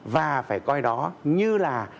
và phải coi đó như là